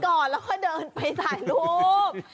ก่อนแล้วก็เดินไปถ่ายรูป